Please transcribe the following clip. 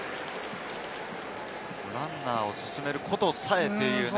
ランナーを進めることさえというね。